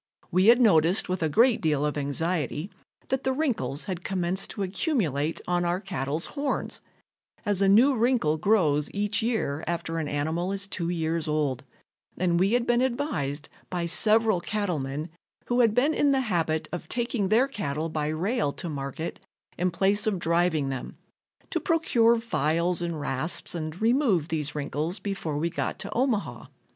We had noticed with a great deal of anxiety that the wrinkles had commenced to accumulate on our cattle's horns, as a new wrinkle grows each year after an animal is two years old, and we had been advised by several cattlemen who had been in the habit of taking their cattle by rail to market in place of driving them, to procure files and rasps and remove these wrinkles before we got to Omaha.